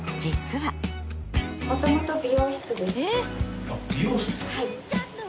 はい。